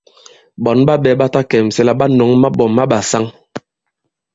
Ɓɔ̌n ɓa ɓɛ̄ ɓa ta kɛ̀msɛ la ɓa ɓɛ̌ŋ maɓɔ̀ ma ɓàsaŋ.